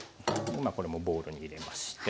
これもボウルに入れまして。